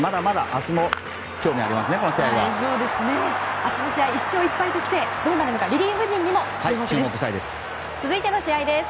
明日の試合１勝１敗ときてどうなのかリリーフ陣にも注目です。